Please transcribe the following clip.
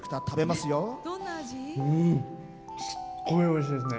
すっごいおいしいですね。